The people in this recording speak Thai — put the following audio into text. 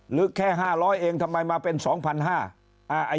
หรือแค่๕๐๐เองทำไมมาเป็น๒๕๐๐บาท